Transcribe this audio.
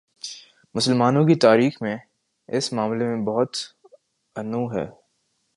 مسلمانوں کی تاریخ میں اس معاملے میں بہت تنوع ہے۔